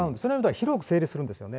広く成立するんですね。